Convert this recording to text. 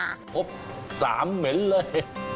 ครับสามเหม็นเลย